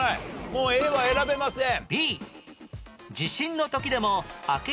もうＡは選べません。